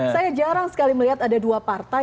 saya jarang sekali melihat ada dua partai